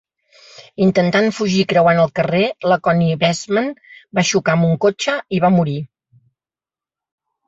Intentant fugir creuant el carrer la Conny Wessmann va xocar amb un cotxe i va morir.